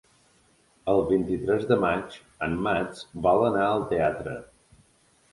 El vint-i-tres de maig en Max vol anar al teatre.